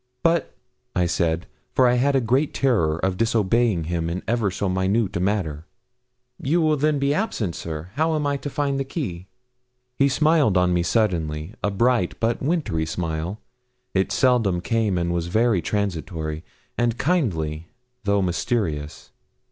'But,' I said, for I had a great terror of disobeying him in ever so minute a matter, 'you will then be absent, sir how am I to find the key?' He smiled on me suddenly a bright but wintry smile it seldom came, and was very transitory, and kindly though mysterious.